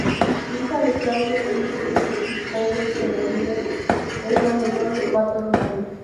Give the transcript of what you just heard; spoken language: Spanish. Hija de Claudia Christie y Pedro Echeverría, es la menor de cuatro hermanos.